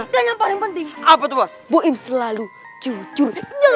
dan yang paling penting apa tuh selalu jujur